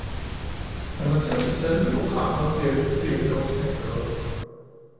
Når man ser på selve programmet, bliver diagnosen ikke bedre.